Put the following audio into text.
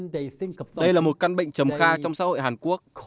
đây là một căn bệnh trầm kha trong xã hội hàn quốc